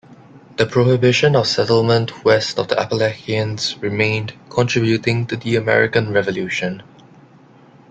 The prohibition of settlement west of the Appalachians remained, contributing to the American Revolution.